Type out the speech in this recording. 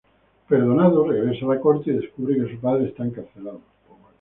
Perdonado, regresa a la corte y descubre que su padre está encarcelado.